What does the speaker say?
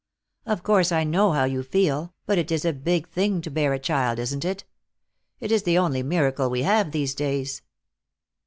"Of course I know how you feel, but it is a big thing to bear a child, isn't it? It is the only miracle we have these days."